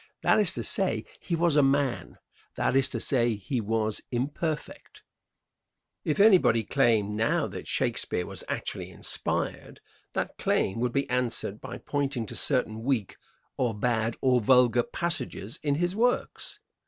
That is to say, he was a man; that is to say, he was imperfect. If anybody claimed now that Shakespeare was actually inspired, that claim would be answered by pointing to certain weak or bad or vulgar passages in his works.